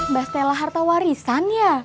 mbak stella harta warisan ya